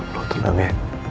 lo tenang ya